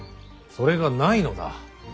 それがないのだ。